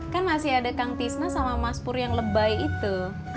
kan masih ada kang tisna sama mas pur yang lebay itu